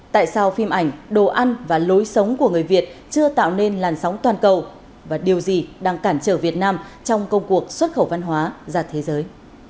tại sao phim ảnh đồ ăn và lối sống của người việt chưa tạo nên làn sóng toàn cầu và điều gì đang cản trở việt nam trong công cuộc xuất khẩu văn hóa ra thế giới